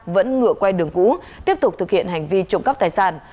vẫn ngựa quen đường cũ tiếp tục thực hiện hành vi trộm cắp tài sản